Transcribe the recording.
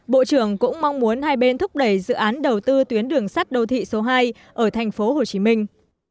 bộ trưởng cũng mong muốn hai bên thúc đẩy dự án đầu tư tuyến đường sắt đô thị số hai ở thành phố hồ chí minh